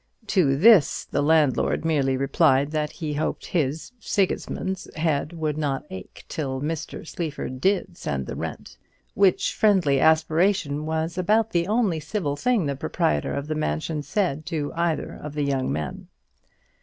To this the landlord merely replied, that he hoped his Sigismund's head would not ache till Mr. Sleaford did send the rent; which friendly aspiration was about the only civil thing the proprietor of the mansion said to either of the young men.